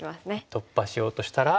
突破しようとしたら。